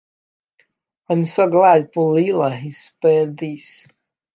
I am so glad poor Lyla is spared this.